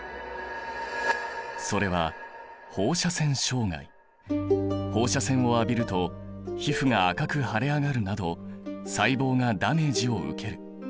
それは放射線を浴びると皮膚が赤く腫れ上がるなど細胞がダメージを受ける。